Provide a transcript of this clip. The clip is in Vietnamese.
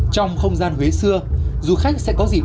trong không gian huế xưa du khách sẽ có dịp